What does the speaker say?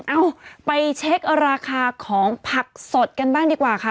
เอาไปเช็คราคาของผักสดกันบ้างดีกว่าค่ะ